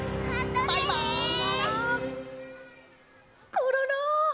コロロ！